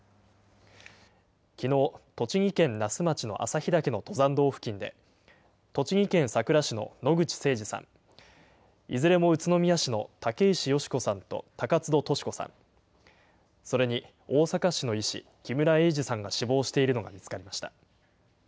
きのう、栃木県那須町の朝日岳の登山道付近で、栃木県さくら市の野口誠二さん、いずれも宇都宮市の竹石佳子さんと高津戸トシ子さん、それに大阪市の医師、木村英二さんが死亡しているのが見つかりました。